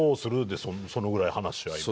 でそのぐらい話し合いは。